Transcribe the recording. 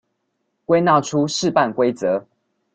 歸納出試辦規則